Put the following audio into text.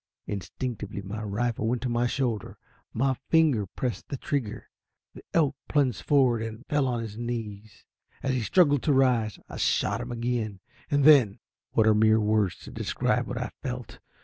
Instinctively my rifle went to my shoulder, my finger pressed the trigger, the elk plunged forward and fell on his knees. As he struggled to rise, I shot him again. And then what are mere words to describe what I felt!